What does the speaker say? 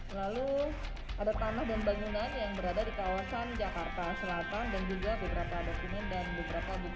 lalu ada tanah dan bangunan yang berada di kawasan jakarta selatan dan juga beberapa dokumen dan beberapa jenis